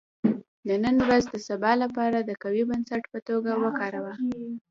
• د نن ورځ د سبا لپاره د قوي بنسټ په توګه وکاروه.